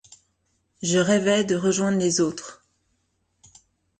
Je rêvais de rejoindre les autres.